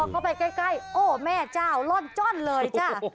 พอก็ไปใกล้โอ้แม่เจ้ารอดจ้อนเลยจ้ะ